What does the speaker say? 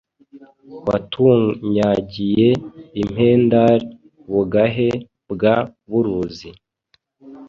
Watunyagiye impendaI Bugahe bwa Muruzi*